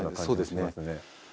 そうですね。